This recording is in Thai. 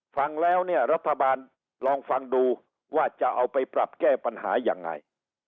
ฟังแล้วเนี่ยรัฐบาลลองฟังดูว่าจะเอาไปปรับแก้ปัญหายังไง